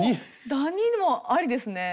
ダニもありですね。